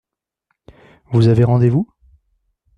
Vous avez rendez-vous ?